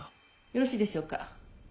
よろしいでしょうか？